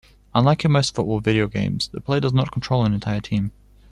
Unlike in most football video games, the player does not control an entire team.